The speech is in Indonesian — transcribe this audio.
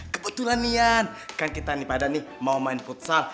kebetulan nihan kan kita nih pada nih mau main futsal